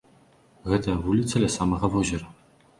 Гэтая вуліца ля самага возера.